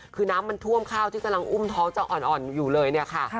คือน้ำมันท่วมข้าวที่กำลังอุ้มท้องจะอ่อนอยู่เลยเนี่ยค่ะ